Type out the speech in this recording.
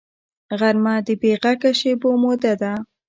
غرمه د بېغږه شېبو موده ده